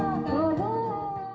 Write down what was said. kau tak suka jauh